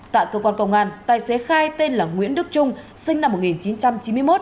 tại cơ quan công an tài xế khai tên là nguyễn đức trung sinh năm một nghìn chín trăm chín mươi một